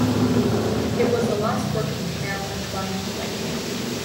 It was the last working canal inclined plane.